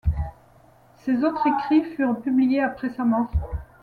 Ses autres écrits furent publiés après sa mort.